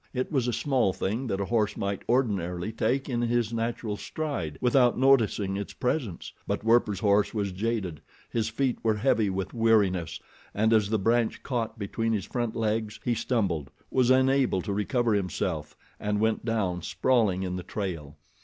It was a small thing that a horse might ordinarily take in his natural stride without noticing its presence; but Werper's horse was jaded, his feet were heavy with weariness, and as the branch caught between his front legs he stumbled, was unable to recover himself, and went down, sprawling in the trail.